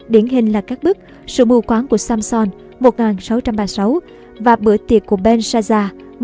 điển hình là các bức sự mù quán của samson và bữa tiệc của benshaza